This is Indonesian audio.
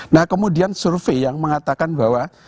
nah kemudian survei yang mengatakan bahwa